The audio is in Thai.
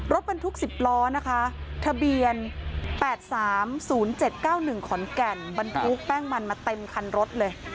รถบรรทุก๑๐ล้อนะคะทะเบียน๘๓๐๗๙๑ขอนแก่นบรรทุกแป้งมันมาเต็มคันรถเลย